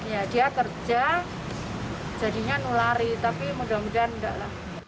ya dia kerja jadinya nulari tapi mudah mudahan enggak lah